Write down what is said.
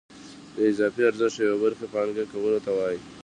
د اضافي ارزښت یوې برخې پانګه کولو ته وایي